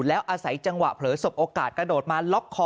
แล้วอาศัยจังหวะเผลอสบโอกาสกระโดดมาล็อกคอ